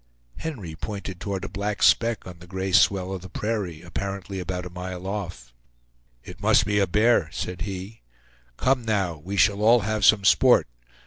Henry pointed toward a black speck on the gray swell of the prairie, apparently about a mile off. "It must be a bear," said he; "come, now, we shall all have some sport.